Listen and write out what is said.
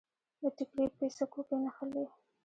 د ټیکري پیڅکو کې نښلي